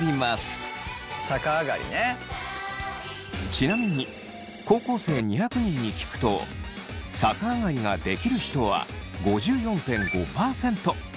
ちなみに高校生２００人に聞くと逆上がりができる人は５４．５％。